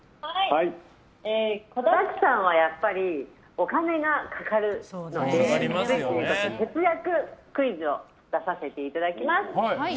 子だくさんはやっぱり、お金がかかるので節約クイズを出させていただきます。